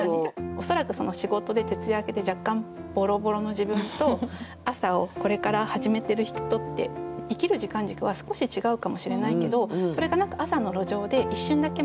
恐らく仕事で徹夜明けで若干ボロボロの自分と朝をこれから始めてる人って生きる時間軸は少し違うかもしれないけどそれが何か朝の路上で一瞬だけ交じり合う。